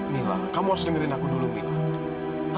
mila kamu harus dengerin aku dulu mila